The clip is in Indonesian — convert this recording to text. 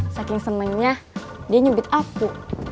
saking senengnya dia nyubit aku